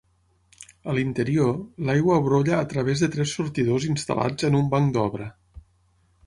A l'interior, l'aigua brolla a través de tres sortidors instal·lats en un banc d'obra.